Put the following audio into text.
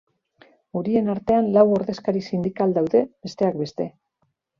Horien artean lau ordezkari sindikal daude, besteak beste.